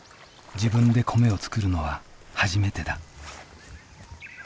自分で米を作るのは初めてだ。